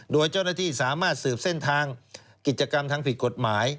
โดยเจ้าหน้าที่สามารถสืบเส้นทางกิจกรรมทางผิดกฎหมาย